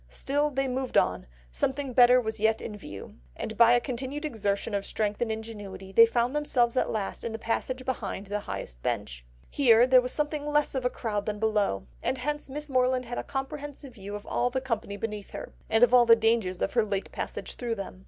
Still they moved on, something better was yet in view; and by a continued exertion of strength and ingenuity they found themselves at last in the passage behind the highest bench. Here there was something less of crowd than below; and hence Miss Morland had a comprehensive view of all the company beneath her, and of all the dangers of her late passage through them.